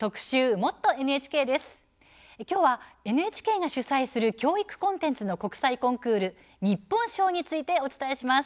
「もっとＮＨＫ」はＮＨＫが主催する教育コンテンツの国際コンクール日本賞についてお伝えします。